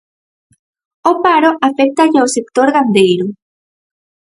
O paro aféctalle ao sector gandeiro.